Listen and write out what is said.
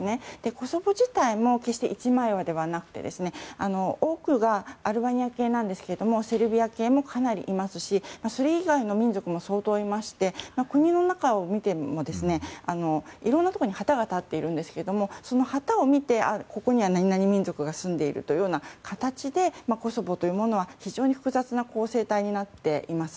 コソボ自体も決して一枚岩ではなくて多くがアルバニア系なんですがセルビア系もかなりいますしそれ以外の民族も相当いまして国の中を見てもいろんなところに旗が立っているんですがその旗を見てここには何々民族が住んでいるという形でコソボというものは非常に複雑な構成体になっています。